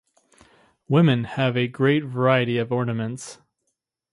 Women have a great variety of ornaments.